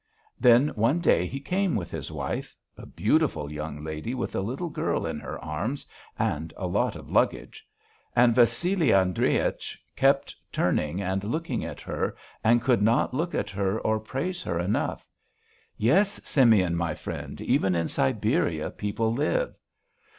Then one day he came with his wife, a beautiful young lady with a little girl in her arms and a lot of luggage. And Vassili Andreich kept turning and looking at her and could not look at her or praise her enough. 'Yes, Simeon, my friend, even in Siberia people live.'